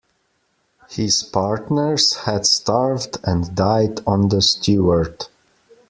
His partners had starved and died on the Stewart.